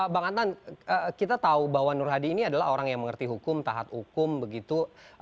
bang anton kita tahu bahwa nur hadi ini adalah orang yang mengerti hukum tahap hukum begitu